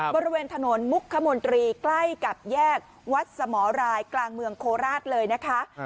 บริเวณถนนมุกขมนตรีใกล้กับแยกวัดสมรรายกลางเมืองโคราชเลยนะคะ